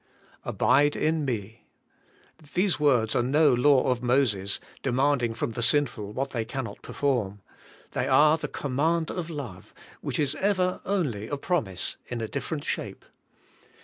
Abide in me: These words are no law of Moses, demanding from the sinful what they cannot perform. They are the command of love, which is ever only a promise in a different shape.